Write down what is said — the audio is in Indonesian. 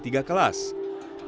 kategori ketangkasan domba dibatalkan